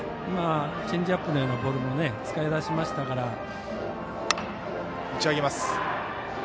今、チェンジアップのようなボールも使い出しましたから。